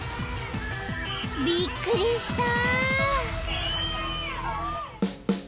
［びっくりした！］